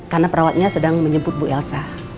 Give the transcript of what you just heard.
karena perawatnya sedang menjemput bu elsa